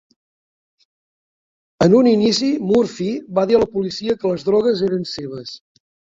En un inici, Murphy va dir a la policia que les drogues eren seves.